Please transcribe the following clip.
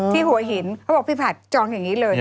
หัวหินเขาบอกพี่ผัดจองอย่างนี้เลย